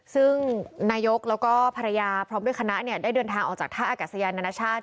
ซึ่งนายกแล้วก็ภรรยาพร้อมด้วยคณะได้เดินทางออกจากท่าอากาศยานานาชาติ